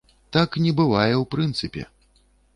Так не бывае ў прынцыпе.